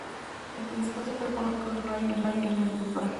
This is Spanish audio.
El principal sector económico del raión es la agricultura.